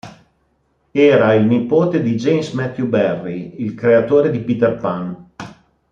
Era nipote di James Matthew Barrie, il creatore di Peter Pan.